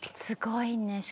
すごいね。